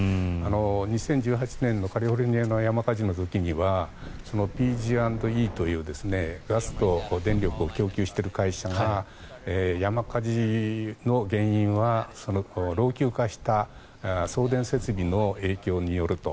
２０１８年のカリフォルニアの山火事の時にはＰＧ＆Ｅというガスと電力を供給している会社が山火事の原因は老朽化した送電設備の影響によると。